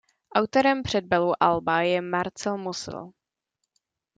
Autorem přebalu alba je Marcel Musil.